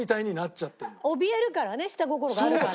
おびえるからね下心があるから。